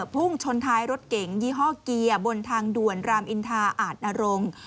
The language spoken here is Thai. พุ่งชนท้ายรถเก๋งยี่ห้อเกียร์บนทางด่วนรามอินทาอาจนรงค์